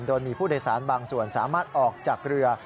โดยมีผู้โดยสารบางส่วนสามารถออกจากเรือ